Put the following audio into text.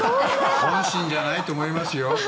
本心じゃないと思いますよ。